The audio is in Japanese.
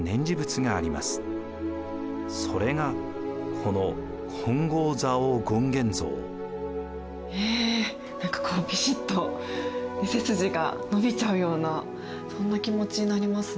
それがこのえ何かこうびしっと背筋が伸びちゃうようなそんな気持ちになりますね。